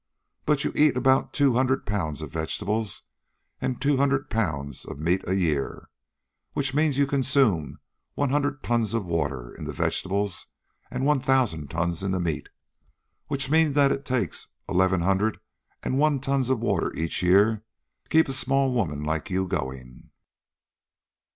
But you eat about two hundred pounds of vegetables and two hundred pounds of meat a year which means you consume one hundred tons of water in the vegetables and one thousand tons in the meat which means that it takes eleven hundred and one tons of water each year to keep a small woman like you going."